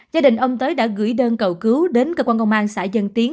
gia đình ông tới đã gửi đơn cầu cứu đến cơ quan công an xã dân tiến